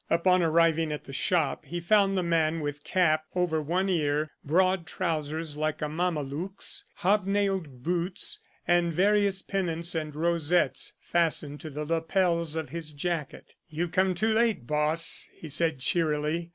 Upon arriving at the shop he found the man with cap over one ear, broad trousers like a mameluke's, hobnailed boots and various pennants and rosettes fastened to the lapels of his jacket. "You've come too late, Boss," he said cheerily.